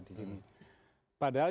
di sini padahal